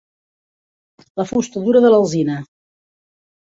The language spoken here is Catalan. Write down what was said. La fusta dura de l'alzina.